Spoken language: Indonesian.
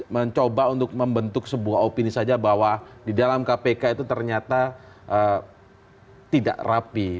mencoba untuk membentuk sebuah opini saja bahwa di dalam kpk itu ternyata tidak rapi